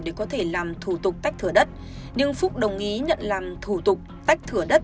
để có thể làm thủ tục tách thửa đất nhưng phúc đồng ý nhận làm thủ tục tách thửa đất